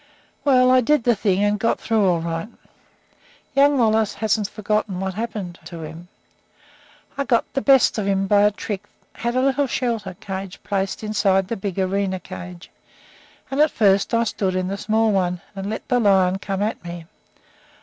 "Well, I did the thing, and got through all right. Young Wallace hasn't forgotten what happened to him. I got the best of him by a trick: had a little shelter cage placed inside the big arena cage, and at first I stood in the small one, and let the lion come at me.